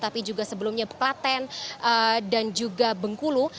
tapi juga sebelumnya klaten dan juga bengkulu